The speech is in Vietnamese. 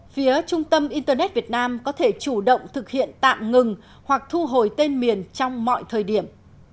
phía trung tâm internet việt nam có thể chủ động thực hiện tạm ngừng hoặc thu hồi tên miền trong mọi thời điểm